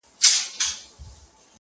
يو يمه خو.